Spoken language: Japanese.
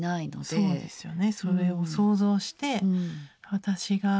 そうですね。